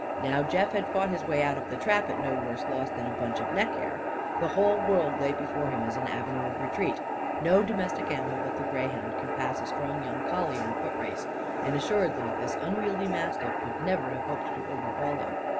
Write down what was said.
Now Jeff had fought his way out of the trap at no worse loss than a bunch of neck hair. The whole world lay before him as an avenue of retreat. No domestic animal but the greyhound can pass a strong young collie in a footrace. And assuredly this unwieldy mastiff could never have hoped to overhaul him.